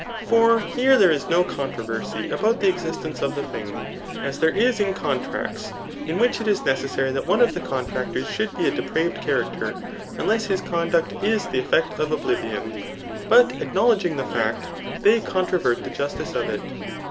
For here there is no controversy about the existence of the thing, as there is in contracts, in which it is necessary that one of the contractors should be a depraved charac ter, unless his conduct is the eflPect of oblivion; but acknowledging the fact, they controvert the justice of it.